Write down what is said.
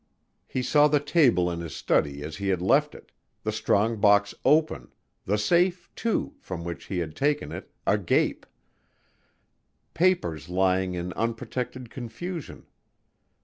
He saw the table in his study as he had left it: the strongbox open the safe, too, from which he had taken it, agape: papers lying in unprotected confusion.